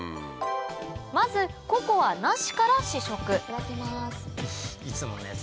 まずココアなしから試食いただきます。